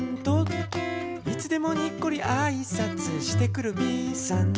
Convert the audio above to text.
「いつでもにっこりあいさつしてくるＢさん」